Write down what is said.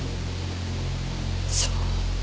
そう。